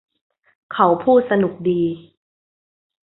เขาพูดสนุกดี